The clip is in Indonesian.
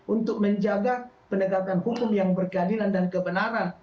untuk menjaga penegakan hukum yang berkeadilan dan kebenaran